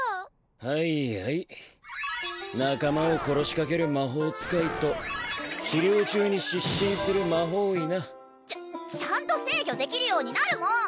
はいはい仲間を殺しかける魔法使いと治療中に失神する魔法医なちゃちゃんと制御できるようになるもん！